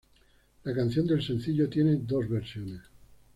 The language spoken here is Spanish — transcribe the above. La canción del sencillo tiene dos versiones.